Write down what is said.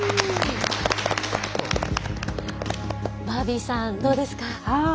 バービーさんどうですか。